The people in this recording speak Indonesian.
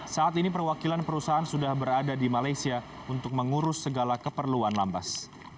saat ini perwakilan perusahaan sudah berada di malaysia untuk mengurus segala keperluan lambas